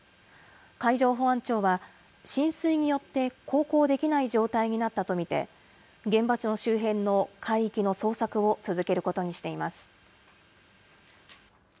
海上保安庁は、浸水によって航行できない状態になったと見て、現場周辺の海域の捜索を続けることにしています。